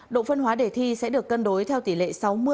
độ phân hóa đề thi sẽ được cân đối theo tỷ lệ sáu mươi bốn mươi